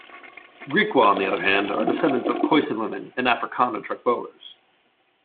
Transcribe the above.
Griqua, on the other hand, are descendants of Khoisan women and Afrikaner Trekboers.